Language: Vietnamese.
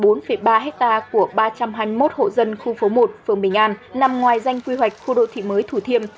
hai mươi một hộ dân khu phố một phường bình an nằm ngoài danh quy hoạch khu đô thị mới thủ thiêm theo quy hoạch được thủ tướng chính phủ phê duyệt